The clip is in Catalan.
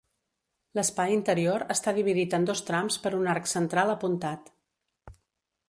L'espai interior està dividit en dos trams per un arc central apuntat.